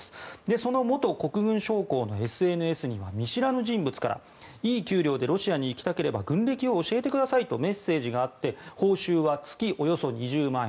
その元国軍将校のＳＮＳには見知らぬ人物からいい給料でロシアに行きたければ軍歴を教えてくださいとメッセージがあって報酬は月およそ２０万円。